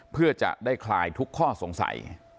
เพื่อจะได้คลายทุกข้อสงสัย